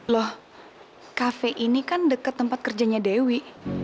loh kafe ini kan dekat tempat kerjanya dewi